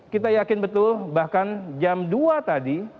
kita yakin betul bahkan jam dua tadi